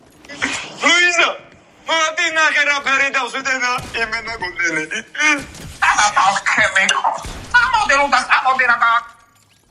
ინიესტა ითვლება მისი თაობის ერთ-ერთ საუკეთესო მოთამაშედ და ყველა დროის ერთ-ერთ საუკეთესო ნახევარმცველად მსოფლიოში.